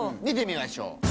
見てみましょう。